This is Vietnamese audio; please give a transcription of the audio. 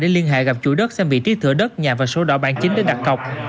để liên hệ gặp chủ đất xem vị trí thửa đất nhà và số đỏ bản chính để đặt cọc